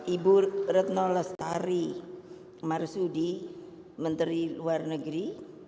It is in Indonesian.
ibu retno lestari marsudi menteri luar negeri